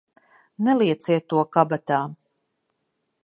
Nelieciet to kabatā!